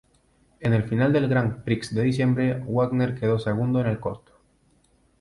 En la final del Grand Prix de diciembre, Wagner quedó segunda en el corto.